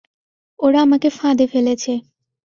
ওরা আমাকে ফাঁদে ফেলেছে।